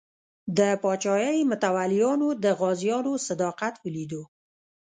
د پاچاهۍ متولیانو د غازیانو صداقت ولیدو.